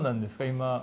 今。